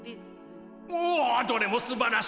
おおどれもすばらしいね。